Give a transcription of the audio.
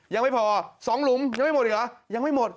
ยังไม่พอ๒หลุมยังไม่หมดหรอ